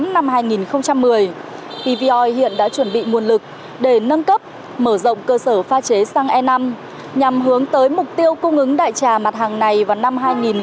từ ngày một tháng tám năm hai nghìn một mươi pvoi hiện đã chuẩn bị nguồn lực để nâng cấp mở rộng cơ sở pha chế xăng e năm nhằm hướng tới mục tiêu cung ứng đại trà mặt hàng này vào năm hai nghìn một mươi tám